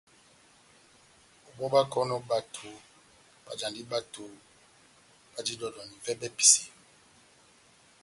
Ó bɔ́ báhákɔnɔni bato, báhájandini bato bajini dɔdɔ na ivɛbɛ episeyo.